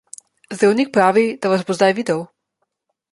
Zdravnik pravi, da vas bo zdaj videl.